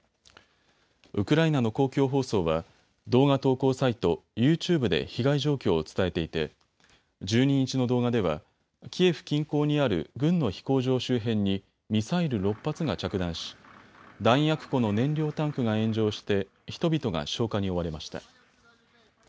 ウクライナの公共放送は動画投稿サイト、ユーチューブで被害状況を伝えていて１２日の動画ではキエフ近郊にある軍の飛行場周辺にミサイル６発が着弾し弾薬庫の燃料タンクが炎上して人々が消火に追われました。